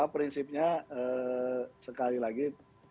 prinsipnya sekali lagi